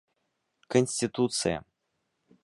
Конституция.